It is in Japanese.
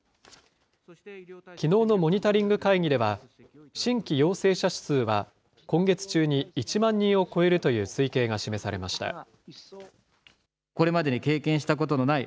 きのうのモニタリング会議では、新規陽性者指数は今月中に１万人を超えるという推計が示されました。